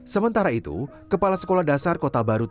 sementara itu kepala sekolah dasar kota baru tiga bekasi